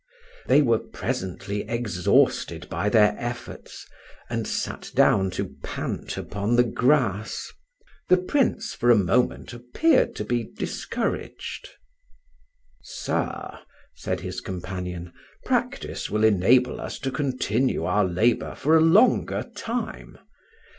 They were presently exhausted by their efforts, and sat down to pant upon the grass. The Prince for a moment appeared to be discouraged. "Sir," said his companion, "practice will enable us to continue our labour for a longer time.